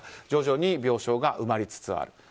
徐々に病床が埋まりつつある。